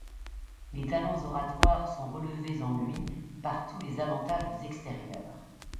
Les talents oratoires sont relevés en lui par tous les avantages extérieurs.